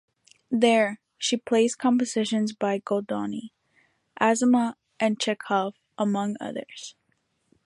There, she plays compositions by Goldoni, Azama and Chekhov, among others.